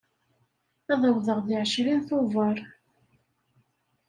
Ad awḍeɣ deg ɛcrin Tubeṛ.